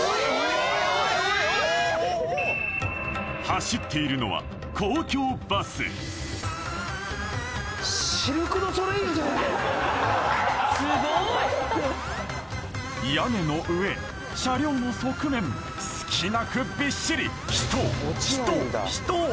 走っているのは屋根の上車両の側面隙なくびっしり人人人！